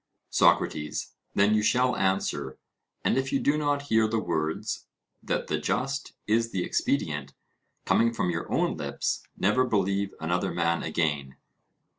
SOCRATES: Then you shall answer; and if you do not hear the words, that the just is the expedient, coming from your own lips, never believe another man again.